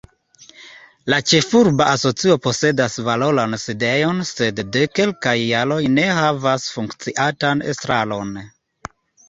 La ĉefurba asocio posedas valoran sidejon, sed de kelkaj jaroj ne havas funkciantan estraron.